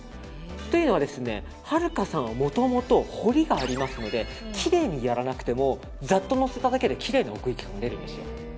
というのは、はるかさんはもともと彫りがありますのできれいにやらなくてもざっとのせただけできれいな奥行きが出るんです。